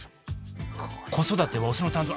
子育てはオスの担当。